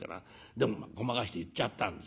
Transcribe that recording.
でもごまかして結っちゃったんですよ。